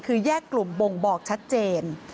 คือแยกกลุ่มบ่งบอกชัดเจน